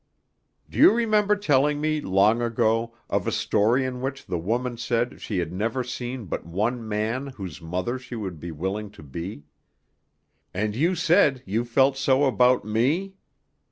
"Do you remember telling me, long ago, of a story in which the woman said she had never seen but one man whose mother she would be willing to be? And you said you felt so about me?